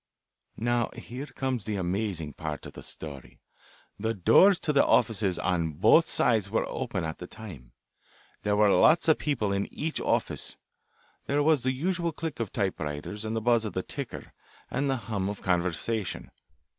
"Now here comes the amazing part of the story. The doors to the offices on both sides were open at the time. There were lots of people in each office. There was the usual click of typewriters, and the buzz of the ticker, and the hum of conversation.